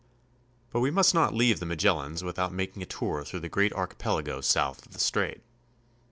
But we must not leave the Magellans without making a tour through the great archipelago south of the strait.